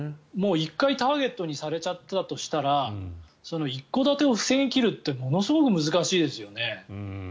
１回、ターゲットにされちゃったとしたら一戸建てを防ぎ切るってものすごく難しいですよね。